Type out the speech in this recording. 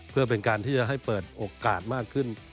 เพื่อเป็นการที่จะให้เปิดโอกาสมากขึ้น